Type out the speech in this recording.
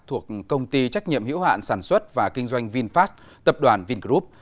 thuộc công ty trách nhiệm hiểu hạn sản xuất và kinh doanh vinfast tập đoàn vingroup